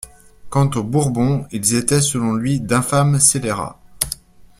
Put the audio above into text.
Quant aux Bourbons, ils étaient, selon lui, d'infâmes scélérats.